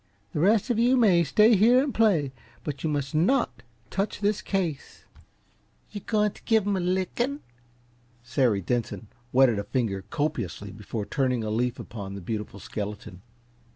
The rest of you may stay here and play, but you must NOT touch this case." "Yuh going t' give 'em a lickin'?" Sary Denson wetted a finger copiously before turning a leaf upon the beautiful skeleton.